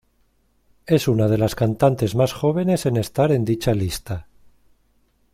Es una de las cantantes más jóvenes en estar en dicha lista.